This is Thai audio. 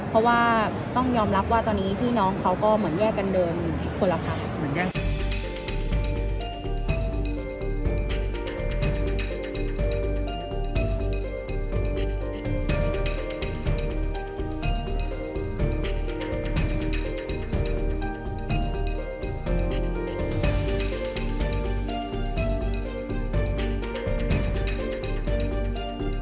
เพราะว่าต้องยอมรับว่าตอนนี้พี่น้องเขาก็เหมือนแยกกันเดินคนละทางเหมือนกัน